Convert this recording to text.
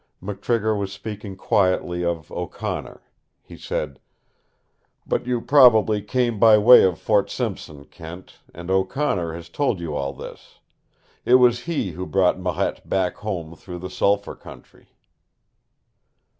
McTrigger was speaking quietly of O'Connor. He said: "But you probably came by way of Fort Simpson, Kent, and O'Connor has told you all this. It was he who brought Marette back home through the Sulphur Country."